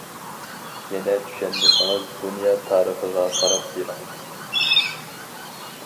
يەنى چۈشەنمىسىڭىز، دۇنيا تارىخىغا قاراپ بېرىڭ.